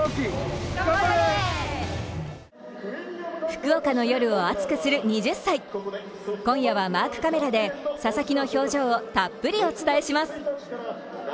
福岡の夜を熱くする２０才今夜はマークカメラで佐々木の表情をたっぷりお伝えします。